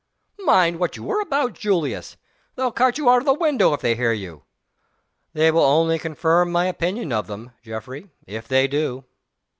"Mind what you are about, Julius! They'll cart you out of window if they hear you." "They will only confirm my opinion of them, Geoffrey, if they do."